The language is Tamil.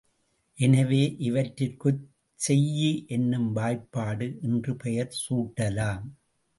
எனவே, இவற்றிற்குச் செய்யி என்னும் வாய்பாடு என்று பெயர் சூட்டலாம்.